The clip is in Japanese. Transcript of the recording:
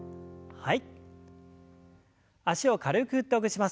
はい。